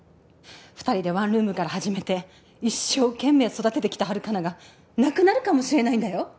二人でワンルームから始めて一生懸命育ててきたハルカナがなくなるかもしれないんだよ